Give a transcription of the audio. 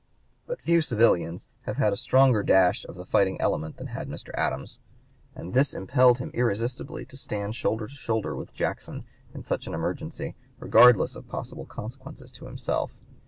But few civilians have had a stronger dash of the fighting element than had Mr. Adams, and this impelled him irresistibly to stand shoulder to shoulder with Jackson in such an emergency, regardless of possible consequences to himself.